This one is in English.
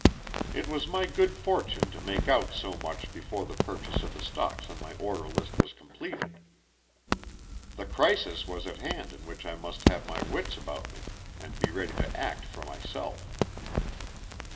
It was my good fortune to make out so much before the purchase of the stocks on my order list was completed. The crisis was at hand in which I must have my wits about me, and be ready to act for myself.